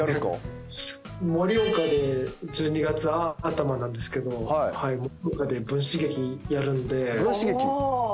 盛岡で１２月頭なんですけど盛岡で文士劇やるんで。